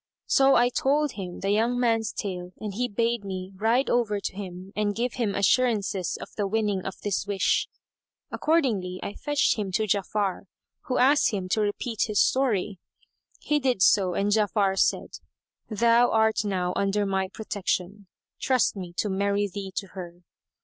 So I told him the young man's tale and he bade me ride over to him and give him assurances of the winning of his wish. Accordingly I fetched him to Ja'afar who asked him to repeat his story. He did so and Ja'afar said, "Thou art now under my protection: trust me to marry thee to her."